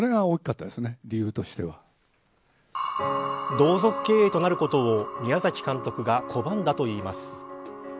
同族経営となることを宮崎監督が拒んだといいます。